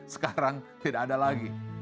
sekarang tidak ada lagi